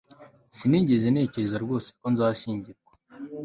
sinigeze ntekereza rwose ko nzashyingirwa